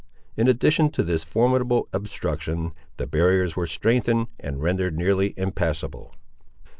In addition to this formidable obstruction, the barriers were strengthened and rendered nearly impassable.